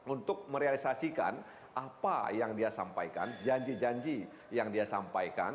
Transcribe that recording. untuk merealisasikan apa yang dia sampaikan janji janji yang dia sampaikan